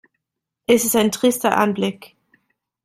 Es ist ein trister Anblick.